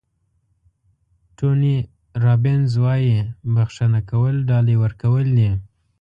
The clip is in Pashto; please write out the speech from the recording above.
ټوني روبینز وایي بښنه کول ډالۍ ورکول دي.